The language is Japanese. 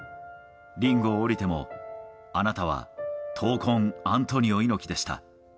リングを降りてもあなたは闘魂アントニオ猪木でした。